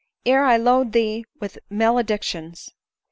ere I load thee with maledictions."